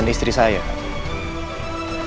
dia meninggal karena dibunuh